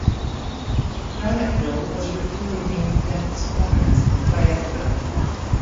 Graniteville was originally named Bennett's Corners and Fayetteville.